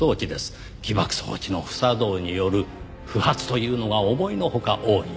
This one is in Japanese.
起爆装置の不作動による不発というのが思いのほか多い。